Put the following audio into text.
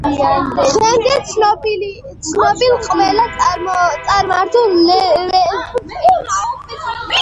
დღემდე ცნობილ ყველა წარმართულ რელიგიაში ღვთაებათა წყვილების აბსოლუტური უმრავლესობა საპირისპირო სქესისანი იყვნენ.